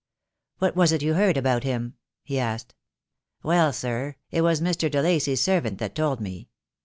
"What was it you heard about him?" he asked. "Well, sir, it was Mr. de Lacy's servant that told me.